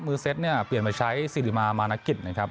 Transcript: เซ็ตเนี่ยเปลี่ยนมาใช้สิริมามานกิจนะครับ